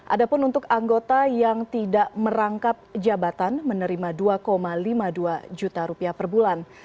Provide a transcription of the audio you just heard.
ada pun untuk anggota yang tidak merangkap jabatan menerima rp dua lima puluh dua juta rupiah per bulan